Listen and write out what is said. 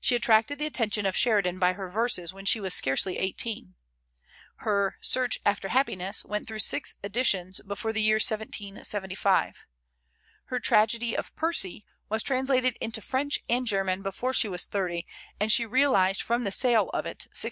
She attracted the attention of Sheridan by her verses when she was scarcely eighteen. Her "Search after Happiness" went through six editions before the year 1775. Her tragedy of "Percy" was translated into French and German before she was thirty; and she realized from the sale of it £600.